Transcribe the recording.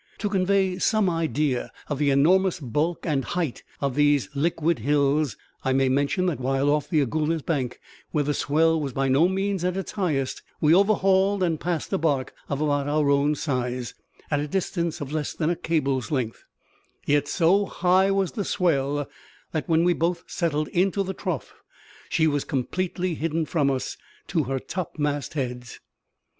To convey some idea of the enormous bulk and height of these liquid hills I may mention that while off the Agulhas Bank where the swell was by no means at its highest we overhauled and passed a barque of about our own size, at a distance of less than a cable's length, yet so high was the swell that, when we both settled into the trough, she was completely hidden from us, to her topmast heads!